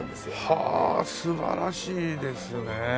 はあ素晴らしいですね。